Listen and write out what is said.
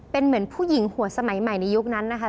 เป็นเหมือนผู้หญิงหัวสมัยใหม่ในยุคนั้นนะคะ